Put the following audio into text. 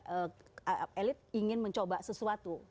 elit ingin mencoba sesuatu